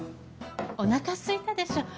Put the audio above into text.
おなかすいたでしょう？